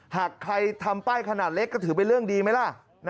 หากใครทำป้ายขนาดเล็กก็ถือเป็นเรื่องดีไหมล่ะ